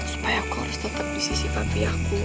supaya aku harus tetap di sisi papi aku